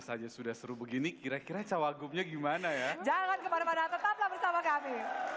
saja sudah seru begini kira kira cawagupnya gimana ya jangan kemana mana tetaplah bersama kami